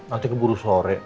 nanti keburu sore